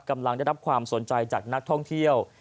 กำลังได้รับความสนใจจากนักท่องเที่ยว